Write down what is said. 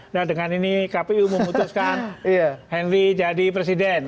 nah dengan ini kpu memutuskan henry jadi presiden